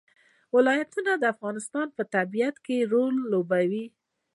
ولایتونه د افغانستان په طبیعت کې رول لوبوي.